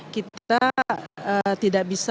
kita tidak bisa